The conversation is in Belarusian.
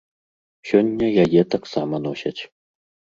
Сёння яе таксама носяць.